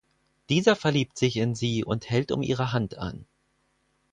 Dieser verliebt sich in sie und hält um ihre Hand an.